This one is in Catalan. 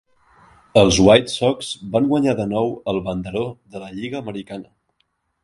Els White Sox van guanyar de nou el banderó de la Lliga americana.